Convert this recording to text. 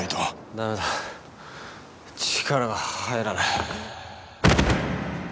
ダメだ力が入らない。